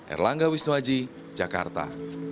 erlangga wisnuaji jakarta